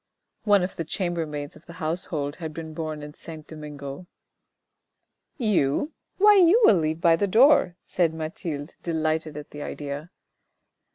(One of the chambermaids of the household had been born in Saint Domingo.) "You? Why you will leave by the door," said Mathilde, delighted at the idea.